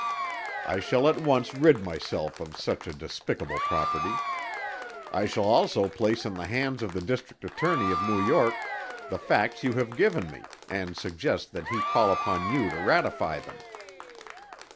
I shall at once rid myself of such a despicable property. I shall also place in the hands of the District Attorney of New York, the facts you have given me, and suggest that he call upon you to ratify them."